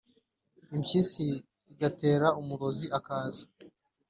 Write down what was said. impyisi igatera, umurozi akaza!